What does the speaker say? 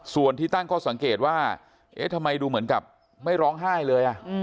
ส่วนที่ตั้งข้อสังเกตว่าเอ๊ะทำไมดูเหมือนกับไม่ร้องไห้เลย